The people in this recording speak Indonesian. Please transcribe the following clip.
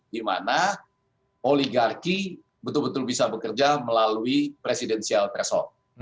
dimana oligarki betul betul bisa bekerja melalui presidensial threshold